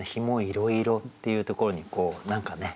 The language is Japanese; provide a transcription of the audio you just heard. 「紐いろいろ」っていうところに何かね。